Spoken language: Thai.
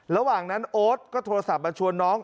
ระหว่างนั้นโอ๊ตก็โทรศัพท์มาชวนน้อง